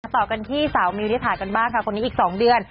ต่อกันที่สาวมิวนิถากันบ้างค่ะคนนี้อีก๒เดือน